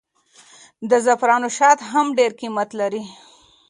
د زعفرانو شات هم ډېر قیمت لري.